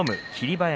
馬山。